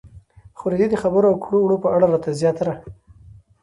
خو د دې د خبرو او کړو وړو په اړه راته زياتره